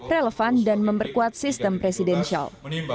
relevan dan memperkuat sistem presidensial